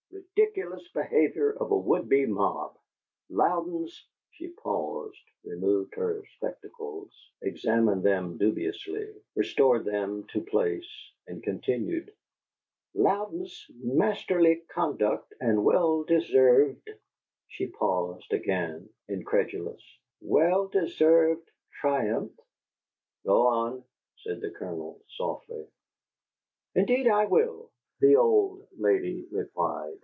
Ridiculous Behavior of a Would Be Mob. Louden's '" She paused, removed her spectacles, examined them dubiously, restored them to place, and continued: "'Louden's Masterly Conduct and Well Deserved '" she paused again, incredulous "'Well Deserved Triumph '" "Go on," said the Colonel, softly. "Indeed I will!" the old lady replied.